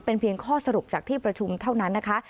เป็นเพียงข้อสรุปจากที่ประชุมเท่านั้นนะคะ